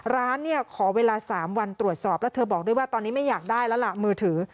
ร้านเนี่ยขอเวลา๓วันตรวจสอบแล้วเธอบอกด้วยว่าตอนนี้ไม่อยากได้แล้วล่ะมือถือ